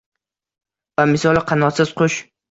Bamisoli qanotsiz qush